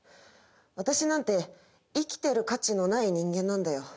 私なんて生きてる価値のない人間なんだよ。